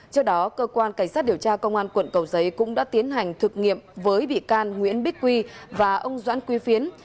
trước đó cơ quan cảnh sát điều tra công an quận cầu giấy cũng đã tiến hành thực nghiệm với bị can nguyễn bích quy và ông doãn quy phiến